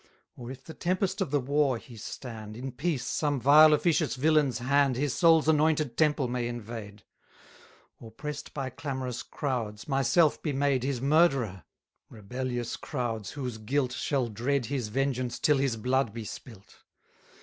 Or if the tempest of the war he stand, In peace, some vile officious villain's hand His soul's anointed temple may invade; Or, press'd by clamorous crowds, myself be made His murderer; rebellious crowds, whose guilt Shall dread his vengeance till his blood be spilt.